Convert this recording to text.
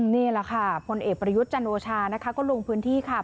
นี่แหละค่ะพลเอกประยุทธ์จันโอชานะคะก็ลงพื้นที่ค่ะ